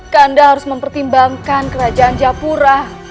kanda harus mempertimbangkan kerajaan japura